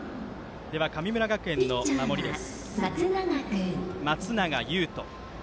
神村学園の守りです。